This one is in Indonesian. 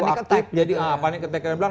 aktif jadi panik ketika dia bilang